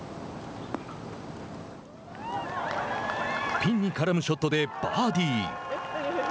ピンに絡むショットでバーディー。